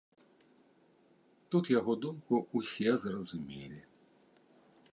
Тут яго думку ўсе зразумелі.